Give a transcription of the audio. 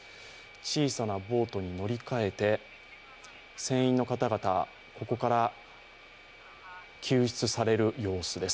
小さなボートに乗り換えて船員の方々ここから救出される様子です。